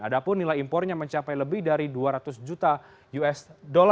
ada pun nilai impornya mencapai lebih dari dua ratus juta usd